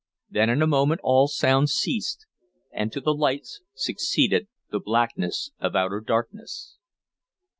Then in a moment all sounds ceased, and to the lights succeeded the blackness of outer darkness.